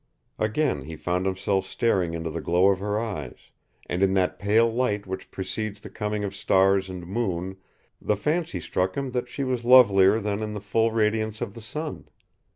Again he found himself staring into the glow of her eyes, and in that pale light which precedes the coming of stars and moon the fancy struck him that she was lovelier than in the full radiance of the sun.